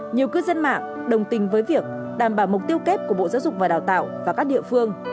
nhiều cư dân mạng đồng tình với việc đảm bảo mục tiêu kép của bộ giáo dục và đào tạo và các địa phương